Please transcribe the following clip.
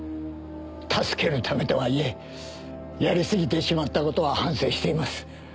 助けるためとはいえやりすぎてしまった事は反省しています。